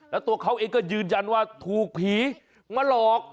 แล้วตัวเขาเองก็ยืนยันว่าถูกผีมาหลอก